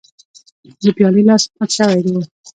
د پیالې لاس مات شوی و.